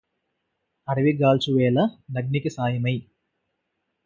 అడవి గాల్చు వేళ నగ్నికి సాయమై